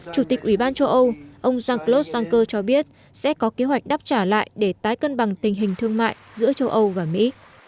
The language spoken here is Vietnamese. chủ tịch ủy ban châu âu ông jean claude juncker cho biết sẽ có kế hoạch đáp trả lại để tái cân bằng tình hình thương mại giữa châu âu và mỹ